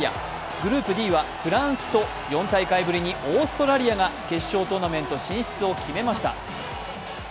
グループＤはフランスと４大会ぶりにオーストラリアが決勝トーナメント進出を決めました。